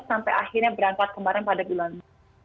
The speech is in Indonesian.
sampai akhirnya berangkat kemarin pada bulan mei